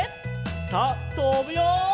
さあとぶよ！